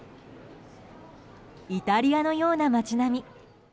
イタリアのような街並み。